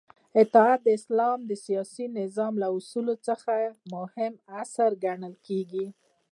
اطاعت د اسلام د سیاسی نظام له اصولو څخه مهم اصل ګڼل کیږی